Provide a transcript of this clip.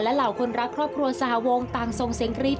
เหล่าคนรักครอบครัวสหวงต่างส่งเสียงกรี๊ด